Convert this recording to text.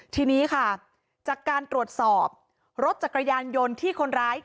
ทีนี้ค่ะจากการตรวจสอบรถจักรยานยนต์ที่คนร้าย